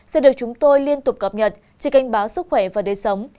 sẽ được chúng tôi liên tục cập nhật chỉ canh báo sức khỏe và đời sống